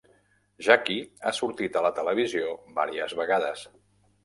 Jakki ha sortit a la televisió vàries vegades.